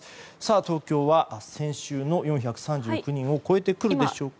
東京は先週の４３９人を超えてくるでしょうか。